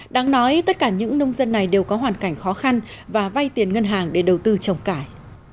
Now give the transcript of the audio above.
đáng nói tất cả những nông dân này đều có hoàn cảnh khó khăn và vay tiền ngân hàng để đầu tư trồng cải